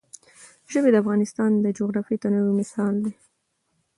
ژبې د افغانستان د جغرافیوي تنوع یو مثال دی.